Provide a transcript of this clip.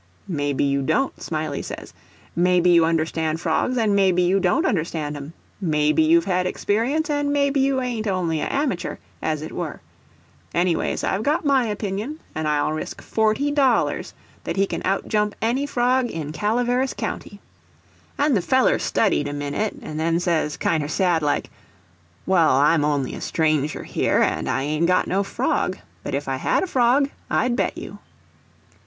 "Maybe you don't," Smiley says. "Maybe you understand frogs and maybe you don't understand 'em; maybe you've had experience, and maybe you ain't only a amature, as it were. Anyways, I've got my opinion and I'll risk forty dollars that he can outjump any frog in Calaveras County." And the feller studied a minute, and then says, kinder sad like, "Well, I'm only a stranger here, and I ain't got no frog; but if I had a frog, I'd bet you."